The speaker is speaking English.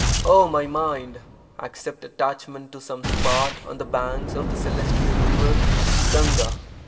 Oh my mind, accept attachment to some spot on the banks of the celestial river (Gahga).